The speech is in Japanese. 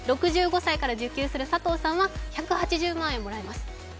６５歳から受給する佐藤さんは１８０万円もらえます。